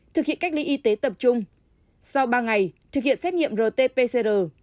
thực hiện cách ly y tế tập trung sau ba ngày thực hiện xét nghiệm rt pcr